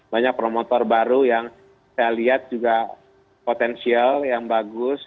banyak promotor baru yang saya lihat juga potensial yang bagus